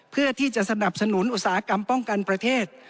เพื่อที่จะสนับสนุนอุตสาหกรรมป้องกันประเทศ